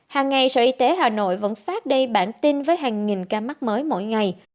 hàng ngày sở y tế hà nội vẫn phát đây bản tin với hàng nghìn ca mắc mới mỗi ngày